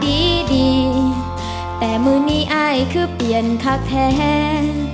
ดีดีแต่มือนี้อายคือเปลี่ยนคักแทน